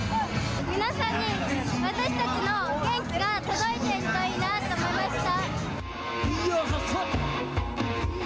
皆さんに私たちの元気が届いているといいなと思いました。